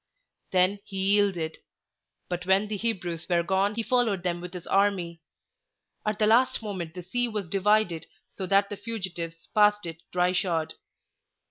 Then he yielded. But when the Hebrews were gone he followed them with his army. At the last moment the sea was divided, so that the fugitives passed it dry shod.